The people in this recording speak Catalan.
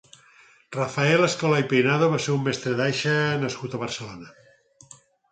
Rafael Escolà i Peinado va ser un mestre d'aixa nascut a Barcelona.